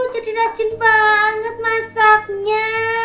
jadi rajin banget masaknya